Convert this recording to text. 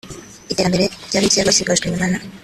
Iteramber ry’abasigajwe inyuma n